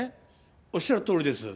おっしゃるとおりです。